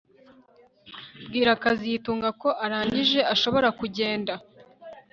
Bwira kazitunga ko arangije ashobora kugenda